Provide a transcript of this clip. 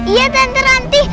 iya tante ranti